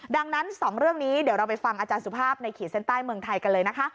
ดังนั้น๒เรื่องนี้เดี๋ยวเราไปฟังอาจารย์สุภาพในขีดเส้นใต้เมืองไทยกันเลยนะคะ